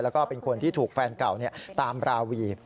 แล้วก็เป็นคนที่ถูกแฟนเก่าตามราวี